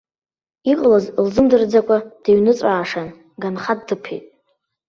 Иҟалаз лзымдырӡакәа дныҩныҵәаашан, ганха дыԥеит.